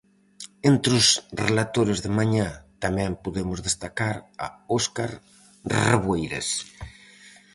Entre os relatores de mañá tamén podemos destacar a Óscar Reboiras.